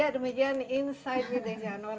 ya demikian insight with desya nur